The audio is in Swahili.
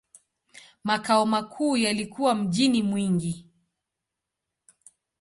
Makao makuu yalikuwa mjini Mwingi.